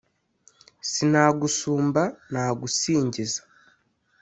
sinagusumba nagusingiza